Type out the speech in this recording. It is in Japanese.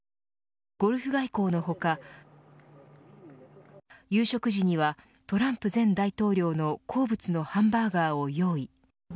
ゴルフ外交の他夕食時にはトランプ前大統領の好物のハンバーガーを用意。